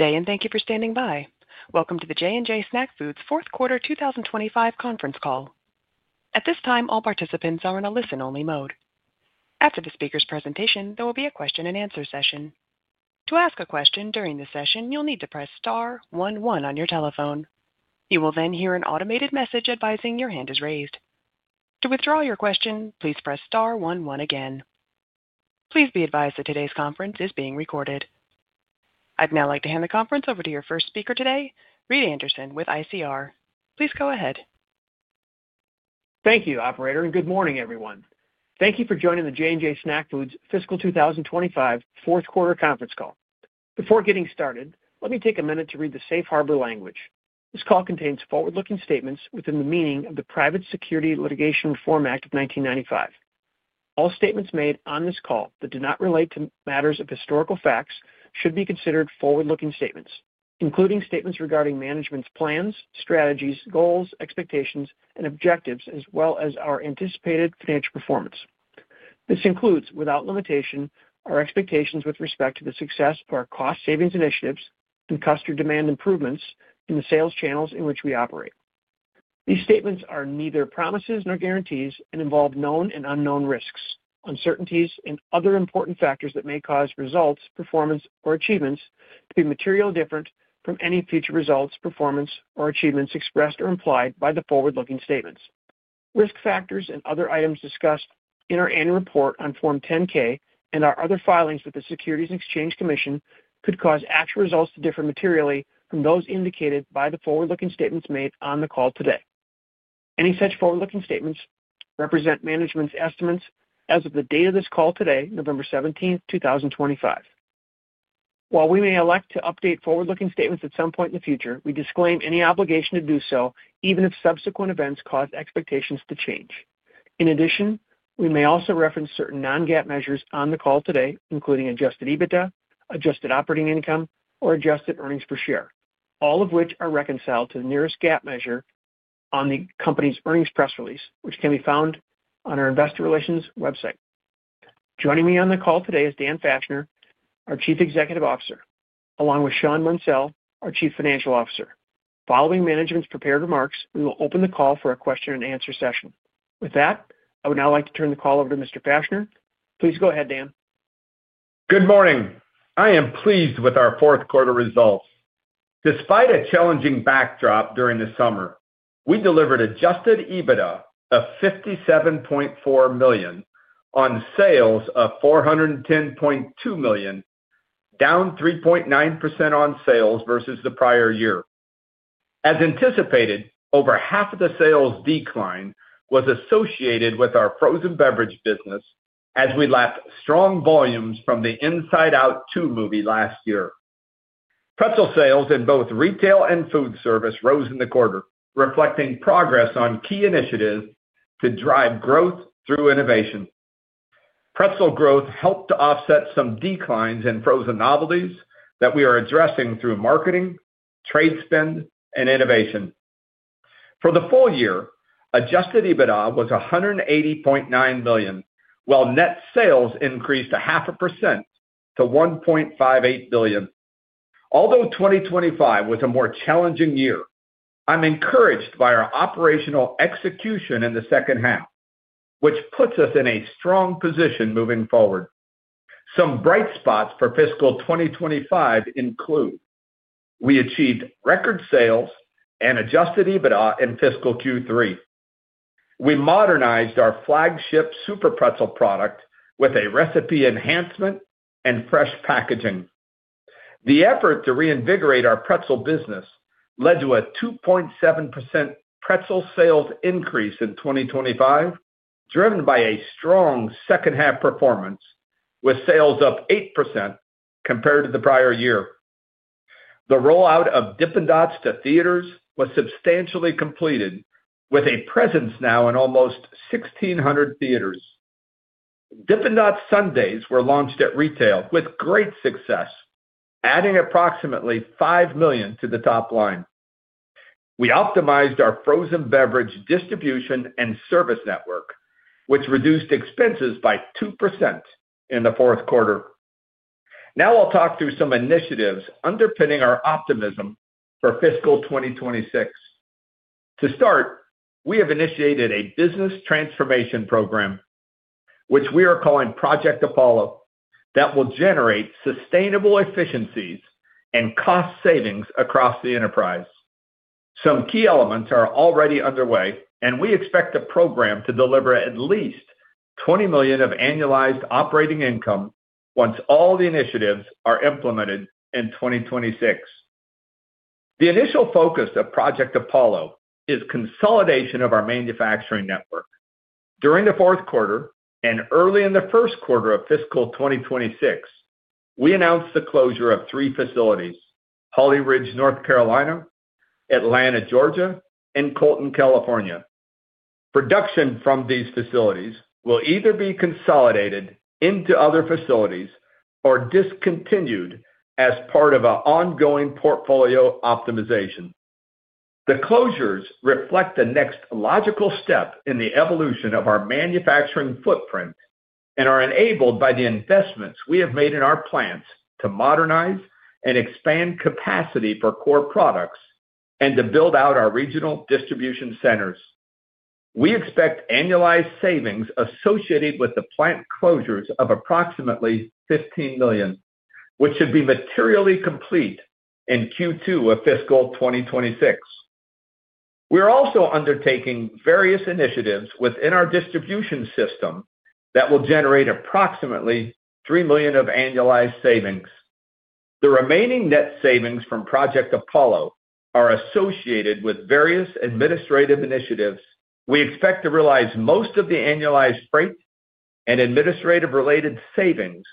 Good day, and thank you for standing by. Welcome to the J & J Snack Foods fourth quarter 2025 conference call. At this time, all participants are in a listen-only mode. After the speaker's presentation, there will be a question-and-answer session. To ask a question during the session, you'll need to press star one-one on your telephone. You will then hear an automated message advising your hand is raised. To withdraw your question, please press star one-one again. Please be advised that today's conference is being recorded. I'd now like to hand the conference over to your first speaker today, Reed Anderson with ICR. Please go ahead. Thank you, Operator, and good morning, everyone. Thank you for joining the J & J Snack Foods fiscal 2025 fourth quarter conference call. Before getting started, let me take a minute to read the safe harbor language. This call contains forward-looking statements within the meaning of the Private Securities Litigation Reform Act of 1995. All statements made on this call that do not relate to matters of historical facts should be considered forward-looking statements, including statements regarding management's plans, strategies, goals, expectations, and objectives, as well as our anticipated financial performance. This includes, without limitation, our expectations with respect to the success of our cost savings initiatives and customer demand improvements in the sales channels in which we operate. These statements are neither promises nor guarantees and involve known and unknown risks, uncertainties, and other important factors that may cause results, performance, or achievements to be materially different from any future results, performance, or achievements expressed or implied by the forward-looking statements. Risk factors and other items discussed in our annual report on Form 10-K and our other filings with the Securities and Exchange Commission could cause actual results to differ materially from those indicated by the forward-looking statements made on the call today. Any such forward-looking statements represent management's estimates as of the date of this call today, November 17th, 2025. While we may elect to update forward-looking statements at some point in the future, we disclaim any obligation to do so, even if subsequent events cause expectations to change. In addition, we may also reference certain non-GAAP measures on the call today, including adjusted EBITDA, adjusted operating income, or adjusted earnings per share, all of which are reconciled to the nearest GAAP measure on the company's earnings press release, which can be found on our investor relations website. Joining me on the call today is Dan Fachner, our Chief Executive Officer, along with Shawn Munsell, our Chief Financial Officer. Following management's prepared remarks, we will open the call for a question-and-answer session. With that, I would now like to turn the call over to Mr. Fachner. Please go ahead, Dan. Good morning. I am pleased with our fourth quarter results. Despite a challenging backdrop during the summer, we delivered adjusted EBITDA of $57.4 million on sales of $410.2 million, down 3.9% on sales versus the prior year. As anticipated, over half of the sales decline was associated with our frozen beverage business as we lapped strong volumes from the Inside Out 2 movie last year. Pretzel sales in both retail and food service rose in the quarter, reflecting progress on key initiatives to drive growth through innovation. Pretzel growth helped to offset some declines in frozen novelties that we are addressing through marketing, trade spend, and innovation. For the full year, adjusted EBITDA was $180.9 million, while net sales increased a 0.5% to $1.58 billion. Although 2025 was a more challenging year, I'm encouraged by our operational execution in the second half, which puts us in a strong position moving forward. Some bright spots for fiscal 2025 include we achieved record sales and adjusted EBITDA in fiscal Q3. We modernized our flagship SUPERPRETZEL product with a recipe enhancement and fresh packaging. The effort to reinvigorate our pretzel business led to a 2.7% pretzel sales increase in 2025, driven by a strong second half performance, with sales up 8% compared to the prior year. The rollout of Dippin' Dots to theaters was substantially completed, with a presence now in almost 1,600 theaters. Dippin' Dots Sundaes were launched at retail with great success, adding approximately $5 million to the top line. We optimized our frozen beverage distribution and service network, which reduced expenses by 2% in the fourth quarter. Now I'll talk through some initiatives underpinning our optimism for fiscal 2026. To start, we have initiated a business transformation program, which we are calling Project Apollo, that will generate sustainable efficiencies and cost savings across the enterprise. Some key elements are already underway, and we expect the program to deliver at least $20 million of annualized operating income once all the initiatives are implemented in 2026. The initial focus of Project Apollo is consolidation of our manufacturing network. During the fourth quarter and early in the first quarter of fiscal 2026, we announced the closure of three facilities: Holly Ridge, North Carolina; Atlanta, Georgia; and Colton, California. Production from these facilities will either be consolidated into other facilities or discontinued as part of an ongoing portfolio optimization. The closures reflect the next logical step in the evolution of our manufacturing footprint and are enabled by the investments we have made in our plants to modernize and expand capacity for core products and to build out our regional distribution centers. We expect annualized savings associated with the plant closures of approximately $15 million, which should be materially complete in Q2 of fiscal 2026. We are also undertaking various initiatives within our distribution system that will generate approximately $3 million of annualized savings. The remaining net savings from Project Apollo are associated with various administrative initiatives. We expect to realize most of the annualized freight and administrative-related savings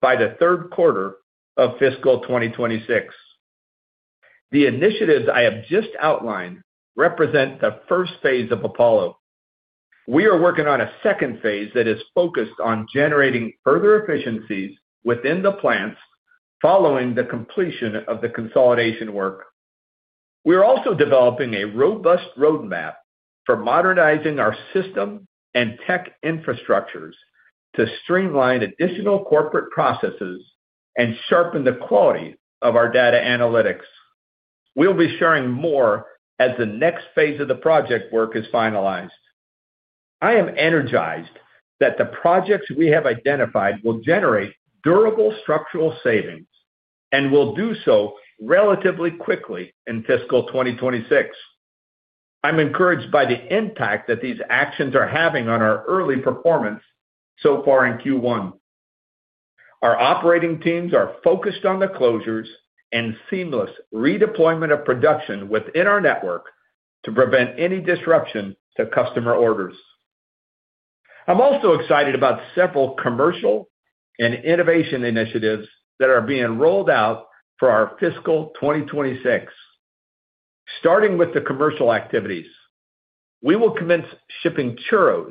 by the third quarter of fiscal 2026. The initiatives I have just outlined represent the first phase of Apollo. We are working on a second phase that is focused on generating further efficiencies within the plants following the completion of the consolidation work. We are also developing a robust roadmap for modernizing our system and tech infrastructures to streamline additional corporate processes and sharpen the quality of our data analytics. We'll be sharing more as the next phase of the project work is finalized. I am energized that the projects we have identified will generate durable structural savings and will do so relatively quickly in fiscal 2026. I'm encouraged by the impact that these actions are having on our early performance so far in Q1. Our operating teams are focused on the closures and seamless redeployment of production within our network to prevent any disruption to customer orders. I'm also excited about several commercial and innovation initiatives that are being rolled out for our fiscal 2026. Starting with the commercial activities, we will commence shipping churros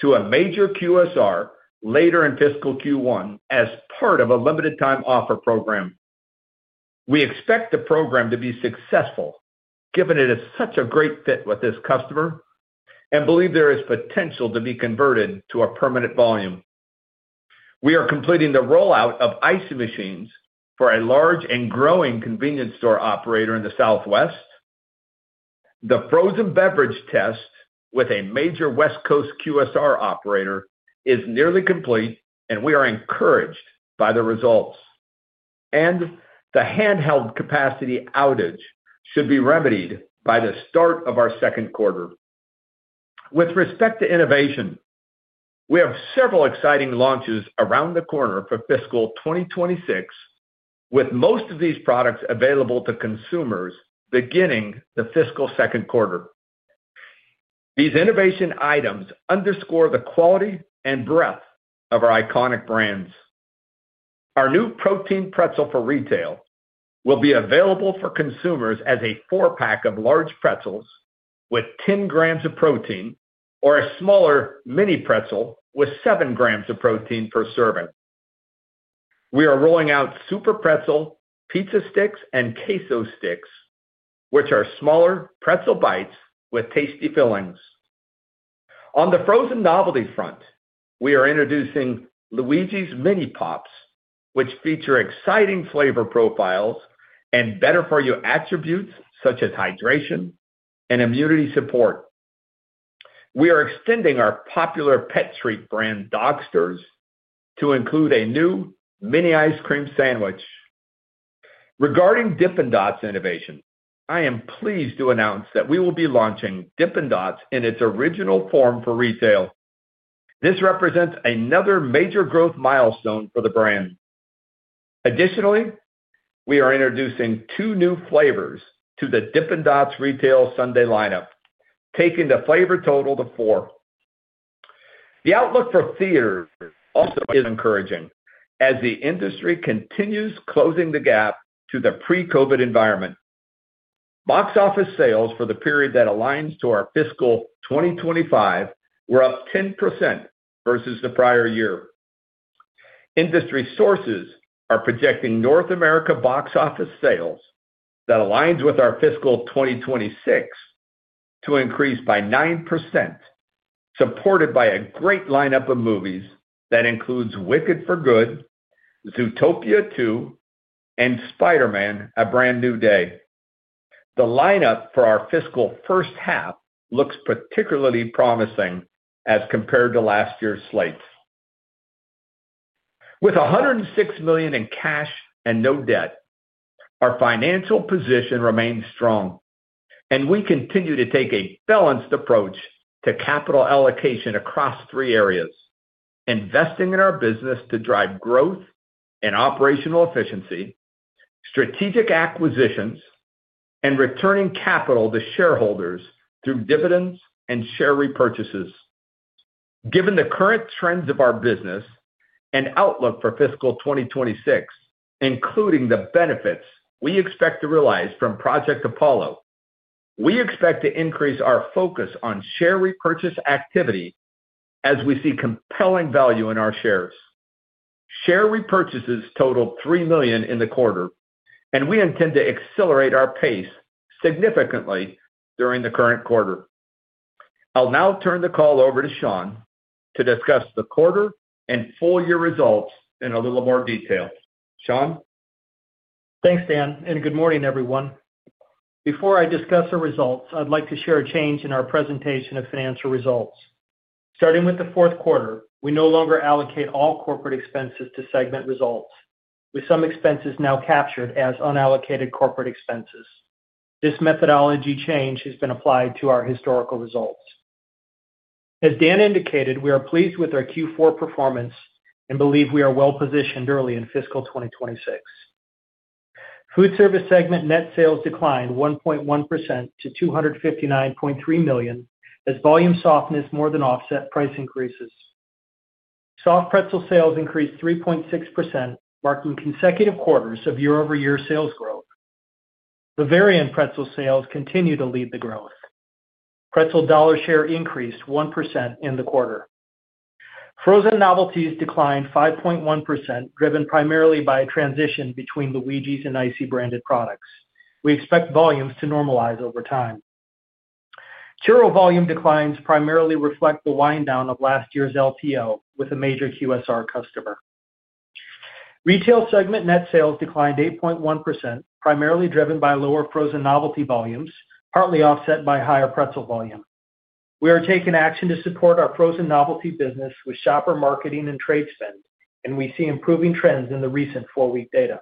to a major QSR later in fiscal Q1 as part of a limited-time offer program. We expect the program to be successful, given it is such a great fit with this customer, and believe there is potential to be converted to a permanent volume. We are completing the rollout of IC machines for a large and growing convenience store operator in the Southwest. The frozen beverage test with a major West Coast QSR operator is nearly complete, and we are encouraged by the results. The handheld capacity outage should be remedied by the start of our second quarter. With respect to innovation, we have several exciting launches around the corner for fiscal 2026, with most of these products available to consumers beginning the fiscal second quarter. These innovation items underscore the quality and breadth of our iconic brands. Our new Protein Pretzel for retail will be available for consumers as a four-pack of large pretzels with 10 grams of protein or a smaller mini pretzel with seven grams of protein per serving. We are rolling out SUPERPRETZEL, pizza sticks, and queso sticks, which are smaller pretzel bites with tasty fillings. On the frozen novelty front, we are introducing LUIGI'S mini pops, which feature exciting flavor profiles and better-for-you attributes such as hydration and immunity support. We are extending our popular pet treat brand, DOGSTERS, to include a new mini ice cream sandwich. Regarding Dippin' Dots innovation, I am pleased to announce that we will be launching Dippin' Dots in its original form for retail. This represents another major growth milestone for the brand. Additionally, we are introducing two new flavors to the Dippin' Dots retail sundae lineup, taking the flavor total to four. The outlook for theaters also is encouraging as the industry continues closing the gap to the pre-COVID environment. Box office sales for the period that aligns to our fiscal 2025 were up 10% versus the prior year. Industry sources are projecting North America box office sales that aligns with our fiscal 2026 to increase by 9%, supported by a great lineup of movies that includes Wicked: For Good, Zootopia 2, and Spider-Man: Brand New Day. The lineup for our fiscal first half looks particularly promising as compared to last year's slate. With $106 million in cash and no debt, our financial position remains strong, and we continue to take a balanced approach to capital allocation across three areas: investing in our business to drive growth and operational efficiency, strategic acquisitions, and returning capital to shareholders through dividends and share repurchases. Given the current trends of our business and outlook for fiscal 2026, including the benefits we expect to realize from Project Apollo, we expect to increase our focus on share repurchase activity as we see compelling value in our shares. Share repurchases totaled $3 million in the quarter, and we intend to accelerate our pace significantly during the current quarter. I'll now turn the call over to Shawn to discuss the quarter and full year results in a little more detail. Shawn? Thanks, Dan, and good morning, everyone. Before I discuss our results, I'd like to share a change in our presentation of financial results. Starting with the fourth quarter, we no longer allocate all corporate expenses to segment results, with some expenses now captured as unallocated corporate expenses. This methodology change has been applied to our historical results. As Dan indicated, we are pleased with our Q4 performance and believe we are well-positioned early in fiscal 2026. Food service segment net sales declined 1.1% to $259.3 million as volume softened more than offset price increases. Soft Pretzel sales increased 3.6%, marking consecutive quarters of year-over-year sales growth. Bavarian Pretzel sales continue to lead the growth. Pretzel dollar share increased 1% in the quarter. Frozen novelties declined 5.1%, driven primarily by a transition between Luigi's and IC branded products. We expect volumes to normalize over time. Churro volume declines primarily reflect the wind down of last year's LTO with a major QSR customer. Retail segment net sales declined 8.1%, primarily driven by lower frozen novelty volumes, partly offset by higher pretzel volume. We are taking action to support our frozen novelty business with shopper marketing and trade spend, and we see improving trends in the recent four-week data.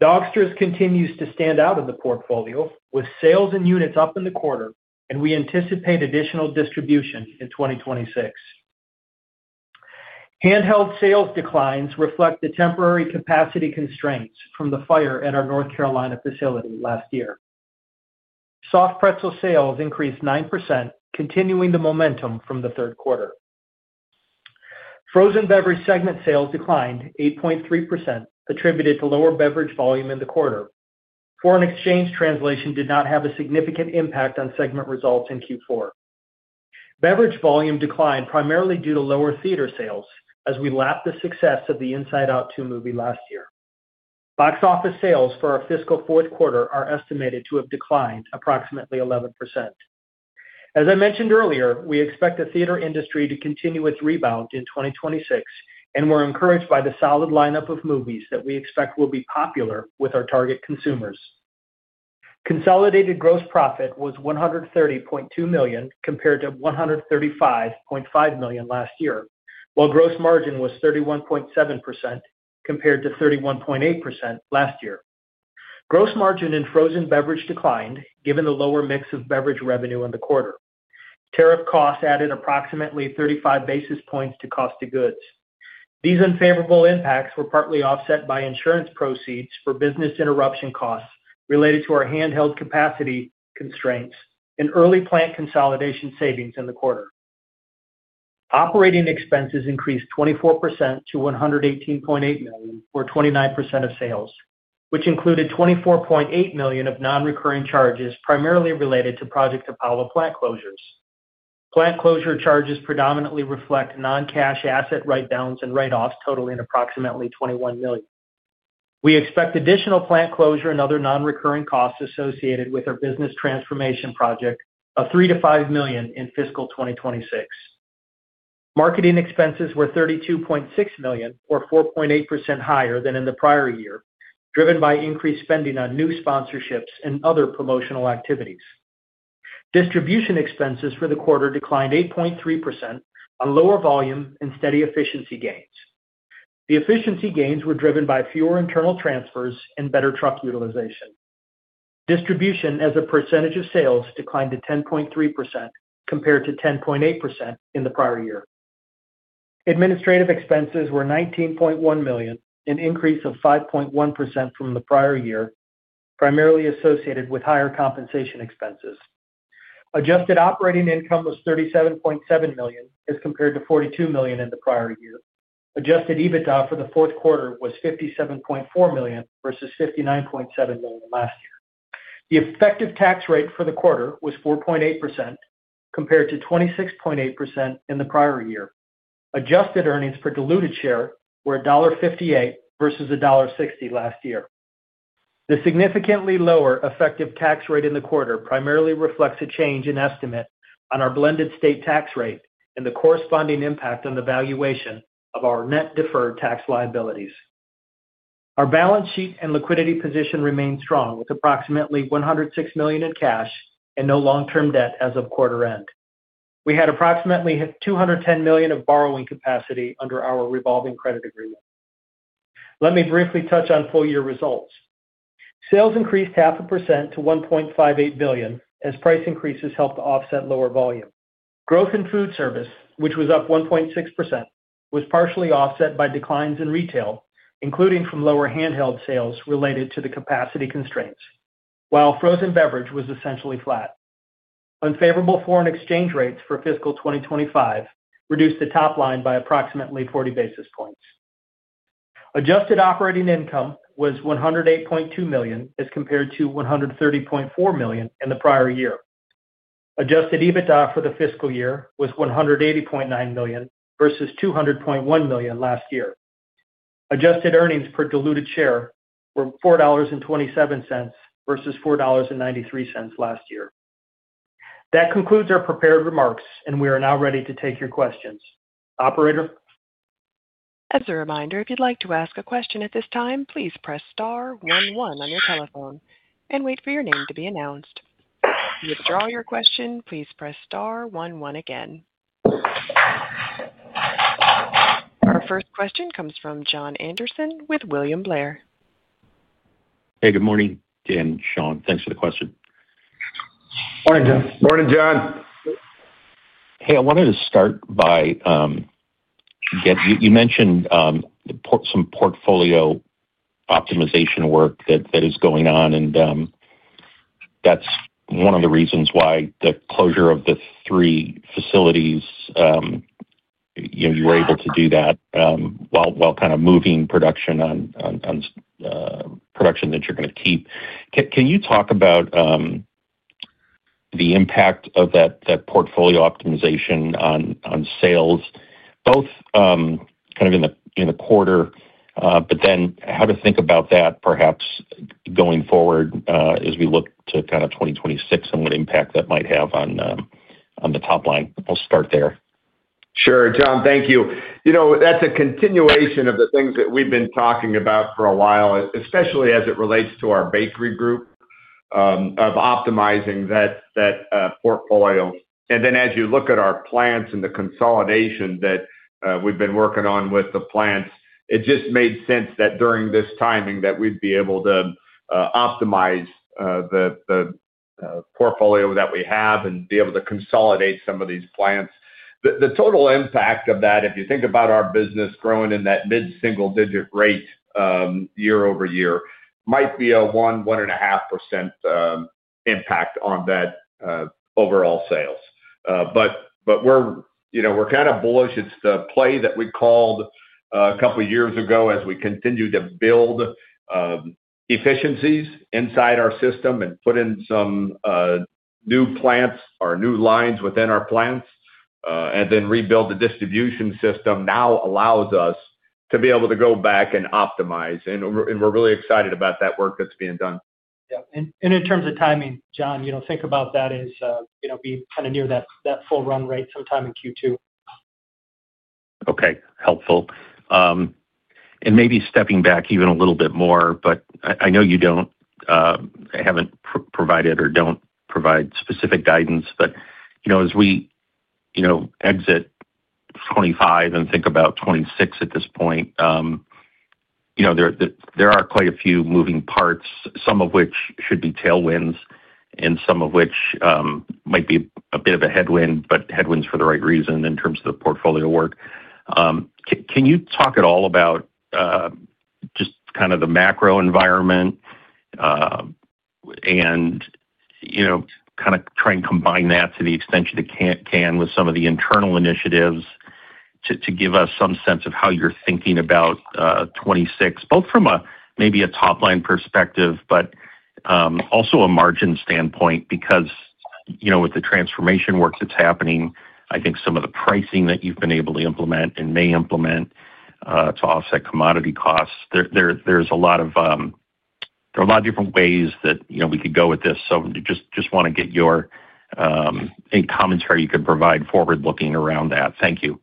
DOGSTERS continues to stand out in the portfolio with sales and units up in the quarter, and we anticipate additional distribution in 2026. Handheld sales declines reflect the temporary capacity constraints from the fire at our North Carolina facility last year. Soft Pretzel sales increased 9%, continuing the momentum from the third quarter. Frozen beverage segment sales declined 8.3%, attributed to lower beverage volume in the quarter. Foreign exchange translation did not have a significant impact on segment results in Q4. Beverage volume declined primarily due to lower theater sales as we lapped the success of the Inside Out 2 movie last year. Box office sales for our fiscal fourth quarter are estimated to have declined approximately 11%. As I mentioned earlier, we expect the theater industry to continue its rebound in 2026, and we're encouraged by the solid lineup of movies that we expect will be popular with our target consumers. Consolidated gross profit was $130.2 million compared to $135.5 million last year, while gross margin was 31.7% compared to 31.8% last year. Gross margin in frozen beverage declined given the lower mix of beverage revenue in the quarter. Tariff costs added approximately 35 basis points to cost of goods. These unfavorable impacts were partly offset by insurance proceeds for business interruption costs related to our handheld capacity constraints and early plant consolidation savings in the quarter. Operating expenses increased 24% to $118.8 million for 29% of sales, which included $24.8 million of non-recurring charges primarily related to Project Apollo plant closures. Plant closure charges predominantly reflect non-cash asset write-downs and write-offs totaling approximately $21 million. We expect additional plant closure and other non-recurring costs associated with our business transformation project of $3 million-$5 million in fiscal 2026. Marketing expenses were $32.6 million or 4.8% higher than in the prior year, driven by increased spending on new sponsorships and other promotional activities. Distribution expenses for the quarter declined 8.3% on lower volume and steady efficiency gains. The efficiency gains were driven by fewer internal transfers and better truck utilization. Distribution as a percentage of sales declined to 10.3% compared to 10.8% in the prior year. Administrative expenses were $19.1 million, an increase of 5.1% from the prior year, primarily associated with higher compensation expenses. Adjusted operating income was $37.7 million as compared to $42 million in the prior year. Adjusted EBITDA for the fourth quarter was $57.4 million versus $59.7 million last year. The effective tax rate for the quarter was 4.8% compared to 26.8% in the prior year. Adjusted earnings per diluted share were $1.58 versus $1.60 last year. The significantly lower effective tax rate in the quarter primarily reflects a change in estimate on our blended state tax rate and the corresponding impact on the valuation of our net deferred tax liabilities. Our balance sheet and liquidity position remained strong with approximately $106 million in cash and no long-term debt as of quarter end. We had approximately $210 million of borrowing capacity under our revolving credit agreement. Let me briefly touch on full year results. Sales increased 0.5% to $1.58 billion as price increases helped offset lower volume. Growth in food service, which was up 1.6%, was partially offset by declines in retail, including from lower handheld sales related to the capacity constraints, while frozen beverage was essentially flat. Unfavorable foreign exchange rates for fiscal 2025 reduced the top line by approximately 40 basis points. Adjusted operating income was $108.2 million as compared to $130.4 million in the prior year. Adjusted EBITDA for the fiscal year was $180.9 million versus $200.1 million last year. Adjusted earnings per diluted share were $4.27 versus $4.93 last year. That concludes our prepared remarks, and we are now ready to take your questions. Operator. As a reminder, if you'd like to ask a question at this time, please press star one one on your telephone and wait for your name to be announced. To withdraw your question, please press star one one again. Our first question comes from John Anderson with William Blair. Hey, good morning, Dan, Shawn. Thanks for the question. Morning, John. Morning, John. Hey, I wanted to start by you mentioned some portfolio optimization work that is going on, and that's one of the reasons why the closure of the three facilities, you were able to do that while kind of moving production on production that you're going to keep. Can you talk about the impact of that portfolio optimization on sales, both kind of in the quarter, but then how to think about that perhaps going forward as we look to kind of 2026 and what impact that might have on the top line? I'll start there. Sure, John, thank you. That's a continuation of the things that we've been talking about for a while, especially as it relates to our bakery group of optimizing that portfolio. As you look at our plants and the consolidation that we've been working on with the plants, it just made sense that during this timing that we'd be able to optimize the portfolio that we have and be able to consolidate some of these plants. The total impact of that, if you think about our business growing in that mid-single-digit rate year over year, might be a 1%-1.5% impact on that overall sales. We're kind of bullish. It's the play that we called a couple of years ago as we continue to build efficiencies inside our system and put in some new plants or new lines within our plants and then rebuild the distribution system. Now allows us to be able to go back and optimize. We're really excited about that work that's being done. Yeah. In terms of timing, John, think about that as being kind of near that full run rate sometime in Q2. Okay. Helpful. Maybe stepping back even a little bit more, but I know you haven't provided or don't provide specific guidance, but as we exit 2025 and think about 2026 at this point, there are quite a few moving parts, some of which should be tailwinds and some of which might be a bit of a headwind, but headwinds for the right reason in terms of the portfolio work. Can you talk at all about just kind of the macro environment and kind of try and combine that to the extent you can with some of the internal initiatives to give us some sense of how you're thinking about 2026, both from maybe a top-line perspective, but also a margin standpoint because with the transformation work that's happening, I think some of the pricing that you've been able to implement and may implement to offset commodity costs, there are a lot of different ways that we could go with this. Just want to get your comments or you could provide forward-looking around that. Thank you.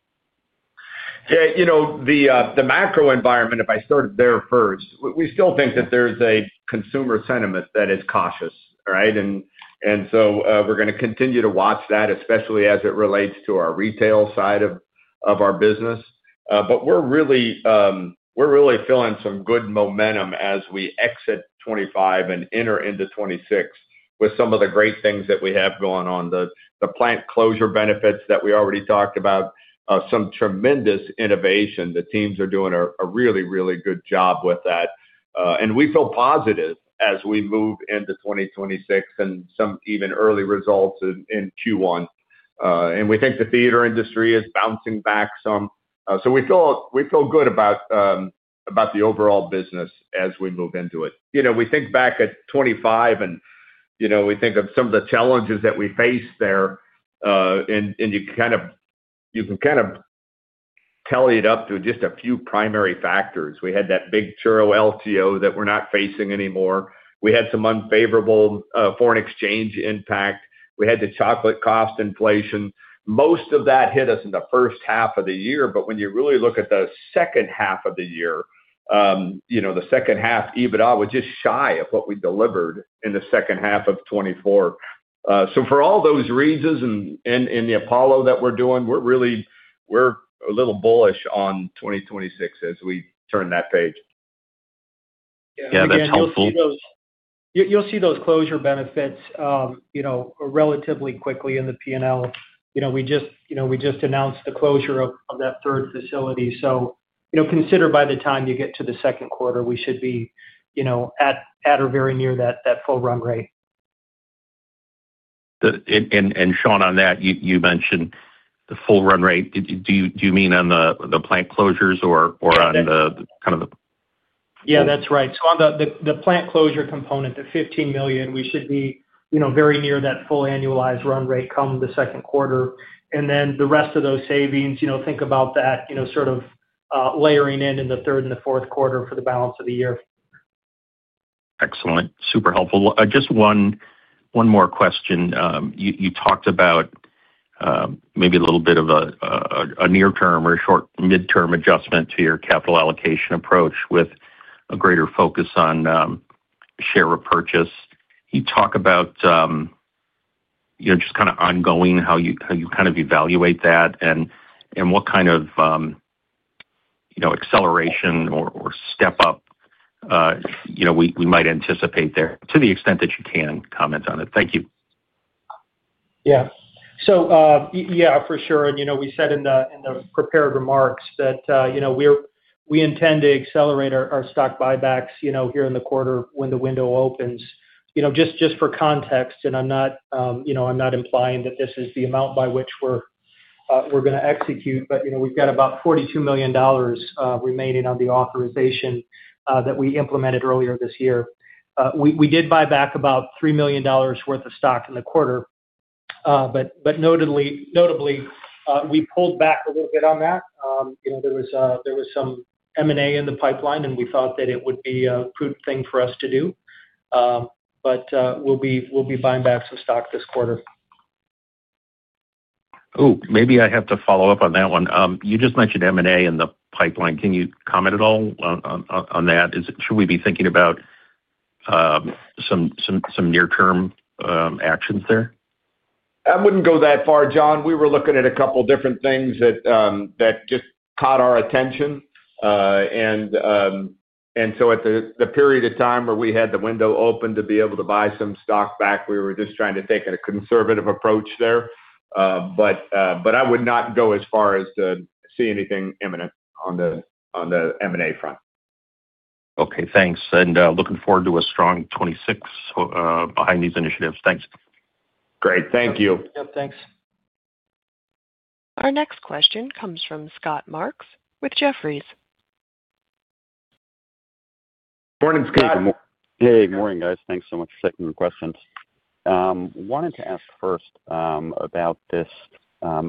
Yeah. The macro environment, if I started there first, we still think that there's a consumer sentiment that is cautious, right? We are going to continue to watch that, especially as it relates to our retail side of our business. We are really feeling some good momentum as we exit 2025 and enter into 2026 with some of the great things that we have going on, the plant closure benefits that we already talked about, some tremendous innovation. The teams are doing a really, really good job with that. We feel positive as we move into 2026 and some even early results in Q1. We think the theater industry is bouncing back some. We feel good about the overall business as we move into it. We think back at 2025 and we think of some of the challenges that we faced there, and you can kind of tally it up to just a few primary factors. We had that big Churro LTO that we're not facing anymore. We had some unfavorable foreign exchange impact. We had the chocolate cost inflation. Most of that hit us in the first half of the year, but when you really look at the second half of the year, the second half EBITDA was just shy of what we delivered in the second half of 2024. For all those reasons and the Apollo that we're doing, we're a little bullish on 2026 as we turn that page. Yeah, that's helpful. You'll see those closure benefits relatively quickly in the P&L. We just announced the closure of that third facility. Consider by the time you get to the second quarter, we should be at or very near that full run rate. Shawn, on that, you mentioned the full run rate. Do you mean on the plant closures or on the kind of the? Yeah, that's right. On the plant closure component, the $15 million, we should be very near that full annualized run rate come the second quarter. The rest of those savings, think about that sort of layering in in the third and the fourth quarter for the balance of the year. Excellent. Super helpful. Just one more question. You talked about maybe a little bit of a near-term or a short mid-term adjustment to your capital allocation approach with a greater focus on share repurchase. You talk about just kind of ongoing how you kind of evaluate that and what kind of acceleration or step up we might anticipate there, to the extent that you can comment on it. Thank you. Yeah. Yeah, for sure. We said in the prepared remarks that we intend to accelerate our stock buybacks here in the quarter when the window opens. Just for context, and I'm not implying that this is the amount by which we're going to execute, but we've got about $42 million remaining on the authorization that we implemented earlier this year. We did buy back about $3 million worth of stock in the quarter, but notably, we pulled back a little bit on that. There was some M&A in the pipeline, and we thought that it would be a prudent thing for us to do. We'll be buying back some stock this quarter. Oh, maybe I have to follow up on that one. You just mentioned M&A in the pipeline. Can you comment at all on that? Should we be thinking about some near-term actions there? I wouldn't go that far, John. We were looking at a couple of different things that just caught our attention. At the period of time where we had the window open to be able to buy some stock back, we were just trying to take a conservative approach there. I would not go as far as to see anything imminent on the M&A front. Okay. Thanks. Looking forward to a strong 2026 behind these initiatives. Thanks. Great. Thank you. Yep. Thanks. Our next question comes from Scott Marks with Jefferies. Morning, Scott. Hey. Morning, guys. Thanks so much for taking the questions. Wanted to ask first about this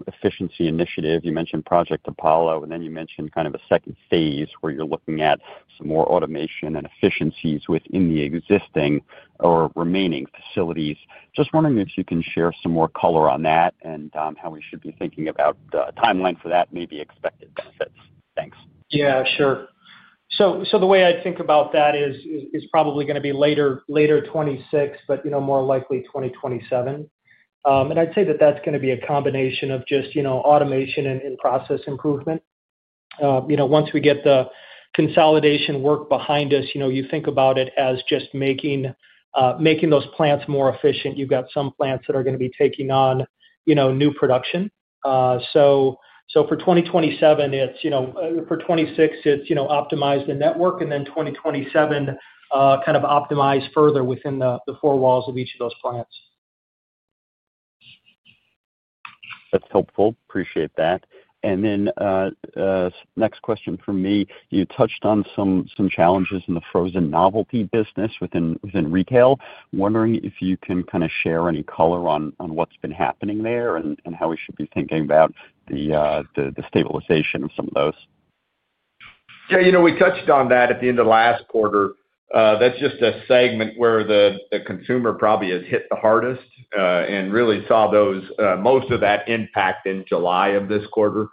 efficiency initiative. You mentioned Project Apollo, and then you mentioned kind of a second phase where you're looking at some more automation and efficiencies within the existing or remaining facilities. Just wondering if you can share some more color on that and how we should be thinking about the timeline for that, maybe expected benefits. Thanks. Yeah, sure. The way I think about that is probably going to be later 2026, but more likely 2027. I'd say that that's going to be a combination of just automation and process improvement. Once we get the consolidation work behind us, you think about it as just making those plants more efficient. You've got some plants that are going to be taking on new production. For 2027, for 2026, it's optimize the network, and then 2027, kind of optimize further within the four walls of each of those plants. That's helpful. Appreciate that. Next question for me, you touched on some challenges in the frozen novelty business within retail. Wondering if you can kind of share any color on what's been happening there and how we should be thinking about the stabilization of some of those. Yeah. We touched on that at the end of last quarter. That's just a segment where the consumer probably has hit the hardest and really saw most of that impact in July of this quarter.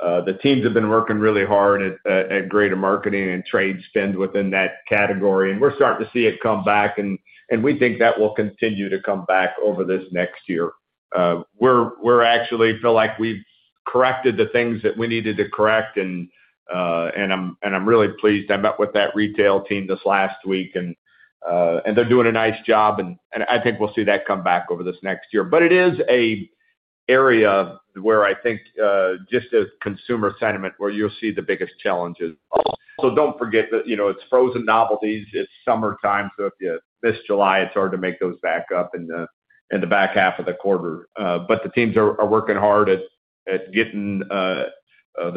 The teams have been working really hard at greater marketing and trade spend within that category. We're starting to see it come back, and we think that will continue to come back over this next year. We actually feel like we've corrected the things that we needed to correct, and I'm really pleased. I met with that retail team this last week, and they're doing a nice job. I think we'll see that come back over this next year. It is an area where I think just a consumer sentiment where you'll see the biggest challenges. Do not forget that it's frozen novelties. It's summertime. If you miss July, it's hard to make those back up in the back half of the quarter. The teams are working hard at getting the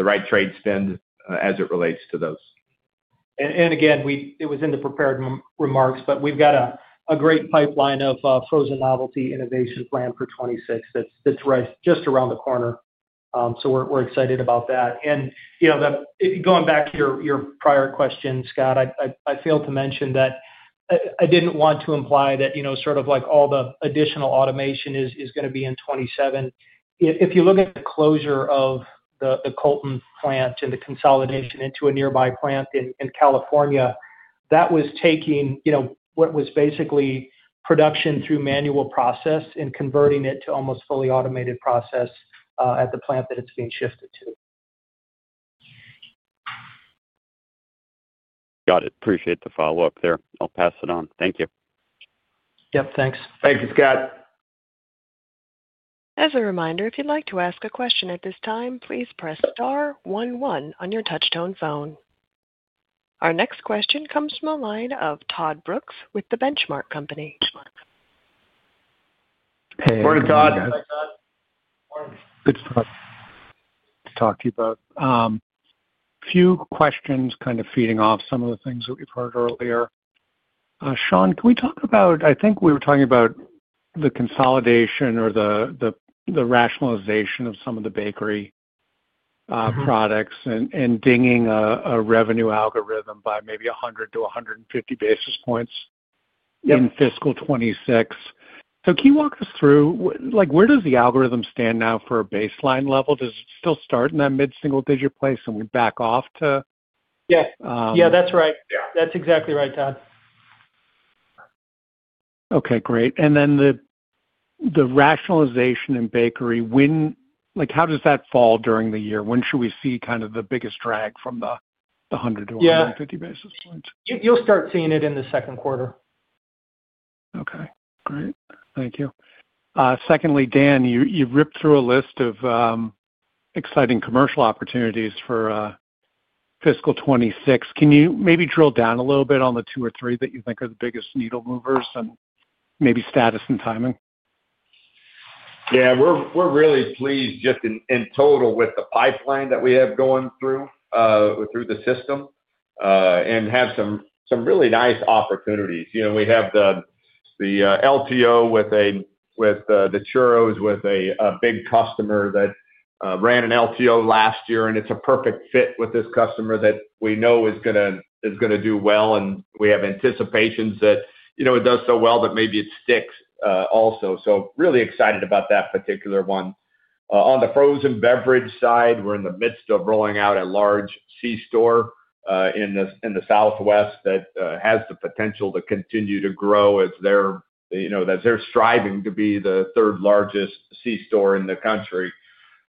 right trade spend as it relates to those. It was in the prepared remarks, but we've got a great pipeline of frozen novelty innovation planned for 2026 that's just around the corner. We're excited about that. Going back to your prior question, Scott, I failed to mention that I didn't want to imply that all the additional automation is going to be in 2027. If you look at the closure of the Colton plant and the consolidation into a nearby plant in California, that was taking what was basically production through manual process and converting it to almost fully automated process at the plant that it's being shifted to. Got it. Appreciate the follow-up there. I'll pass it on. Thank you. Yep. Thanks. Thank you, Scott. As a reminder, if you'd like to ask a question at this time, please press star 11 on your touchtone phone. Our next question comes from a line of Todd Brooks with The Benchmark Company. Hey. Morning, Todd. Good to talk to you about. A few questions kind of feeding off some of the things that we've heard earlier. Shawn, can we talk about I think we were talking about the consolidation or the rationalization of some of the bakery products and dinging a revenue algorithm by maybe 100 to 150 basis points in fiscal 2026. So can you walk us through where does the algorithm stand now for a baseline level? Does it still start in that mid-single-digit place and we back off to? Yeah. Yeah, that's right. That's exactly right, Todd. Okay. Great. And then the rationalization in bakery, how does that fall during the year? When should we see kind of the biggest drag from the 100-150 basis points? You'll start seeing it in the second quarter. Okay. Great. Thank you. Secondly, Dan, you ripped through a list of exciting commercial opportunities for fiscal 2026. Can you maybe drill down a little bit on the two or three that you think are the biggest needle movers and maybe status and timing? Yeah. We're really pleased just in total with the pipeline that we have going through the system and have some really nice opportunities. We have the LTO with the churros with a big customer that ran an LTO last year, and it's a perfect fit with this customer that we know is going to do well. We have anticipations that it does so well that maybe it sticks also. Really excited about that particular one. On the frozen beverage side, we're in the midst of rolling out a large C-store in the Southwest that has the potential to continue to grow as they're striving to be the third largest C-store in the country.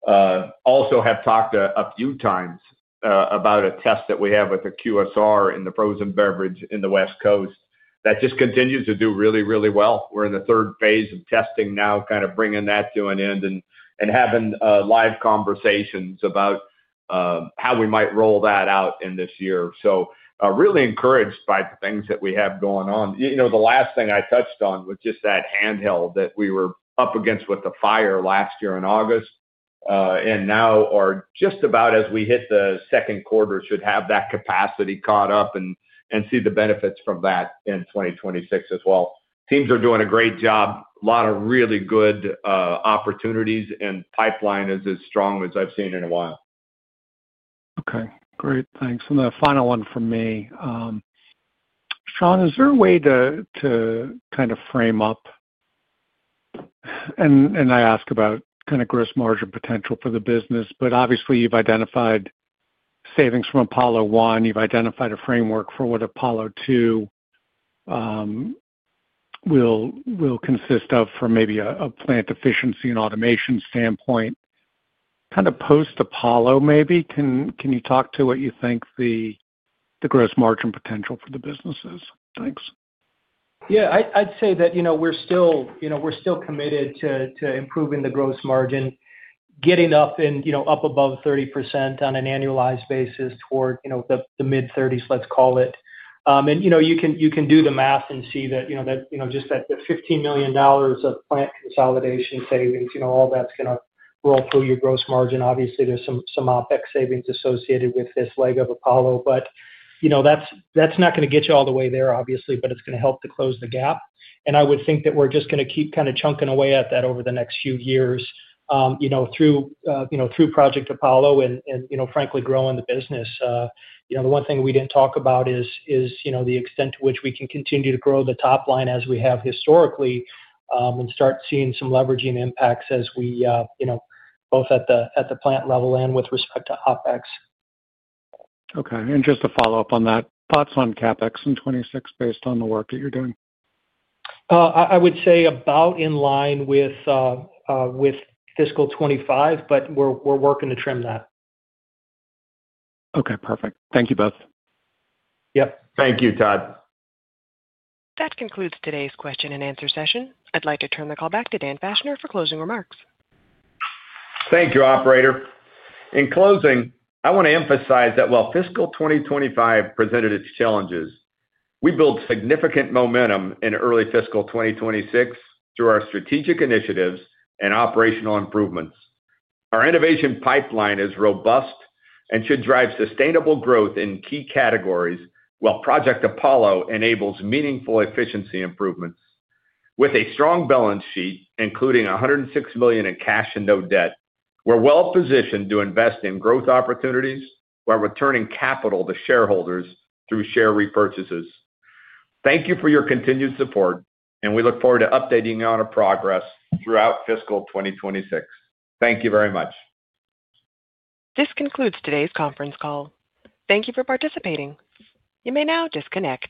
Also have talked a few times about a test that we have with the QSR in the frozen beverage in the West Coast that just continues to do really, really well. We're in the third phase of testing now, kind of bringing that to an end and having live conversations about how we might roll that out in this year. Really encouraged by the things that we have going on. The last thing I touched on was just that handheld that we were up against with the fire last year in August. Now, or just about as we hit the second quarter, should have that capacity caught up and see the benefits from that in 2026 as well. Teams are doing a great job. A lot of really good opportunities, and pipeline is as strong as I've seen in a while. Okay. Great. Thanks. The final one for me. Shawn, is there a way to kind of frame up? I ask about kind of gross margin potential for the business, but obviously, you've identified savings from Apollo 1. You've identified a framework for what Apollo 2 will consist of from maybe a plant efficiency and automation standpoint. Kind of post-Apollo, maybe, can you talk to what you think the gross margin potential for the business is? Thanks. Yeah. I'd say that we're still committed to improving the gross margin, getting up above 30% on an annualized basis toward the mid-30s, let's call it. You can do the math and see that just the $15 million of plant consolidation savings, all that's going to roll through your gross margin. Obviously, there's some OpEx savings associated with this leg of Apollo, but that's not going to get you all the way there, obviously, but it's going to help to close the gap. I would think that we're just going to keep kind of chunking away at that over the next few years through Project Apollo and, frankly, growing the business. The one thing we didn't talk about is the extent to which we can continue to grow the top line as we have historically and start seeing some leveraging impacts as we both at the plant level and with respect to OpEx. Okay. And just to follow up on that, thoughts on CapEx in 2026 based on the work that you're doing? I would say about in line with fiscal 2025, but we're working to trim that. Okay. Perfect. Thank you both. Yep. Thank you, Todd. That concludes today's question and answer session. I'd like to turn the call back to Dan Fachner for closing remarks. Thank you, operator. In closing, I want to emphasize that while fiscal 2025 presented its challenges, we built significant momentum in early fiscal 2026 through our strategic initiatives and operational improvements. Our innovation pipeline is robust and should drive sustainable growth in key categories while Project Apollo enables meaningful efficiency improvements. With a strong balance sheet, including $106 million in cash and no debt, we're well-positioned to invest in growth opportunities while returning capital to shareholders through share repurchases. Thank you for your continued support, and we look forward to updating you on our progress throughout fiscal 2026. Thank you very much. This concludes today's conference call. Thank you for participating. You may now disconnect.